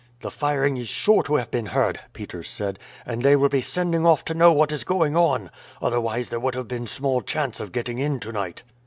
"The firing is sure to have been heard," Peters said, "and they will be sending off to know what is going on, otherwise there would have been small chance of getting in tonight."